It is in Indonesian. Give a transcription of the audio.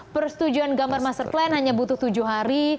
persetujuan gambar master plan hanya butuh tujuh hari